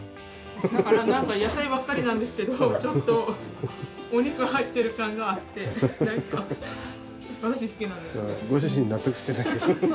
だから野菜ばっかりなんですけどちょっとお肉入ってる感があって私好きなんですよ。